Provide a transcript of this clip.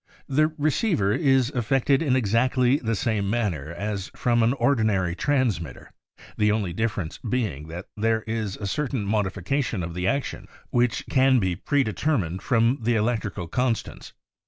The receiver is affected in exactly the same manner as from an ordinary transmitter, the only difference being that there is a cer tain modification of the action which can be predetermined from the electrical constants.